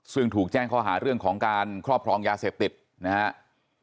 ซึ่งถูกแจ้งข้อหาเรื่องของการครอบครองยาเสพติดนะครับ